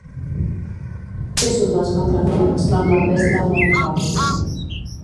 És un dels contraforts del nord-est del Montcau.